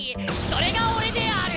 それが俺である！